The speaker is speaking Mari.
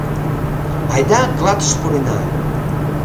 Айда клатыш пурена!